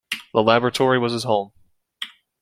The laboratory was his home.